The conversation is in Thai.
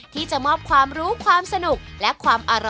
ที่จะมอบความรู้ความสนุก